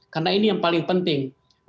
karena ini yang paling penting